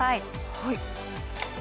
はい。